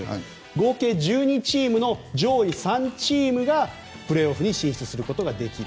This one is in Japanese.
合計１２チームの上位３チームがプレーオフに進出することができる。